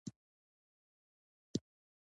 سپوږمۍ د ځمکې یوازینی طبیعي سپوږمکۍ ده